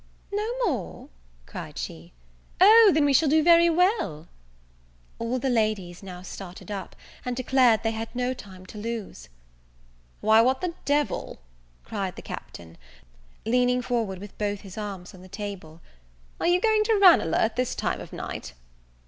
"No more!" cried she, "O then we shall do very well." All the ladies now started up, and declared they had no time to lose. "Why, what the D l," cried the Captain, leaning forward with both his arms on the table," are you going to Ranelagh at this time of night?"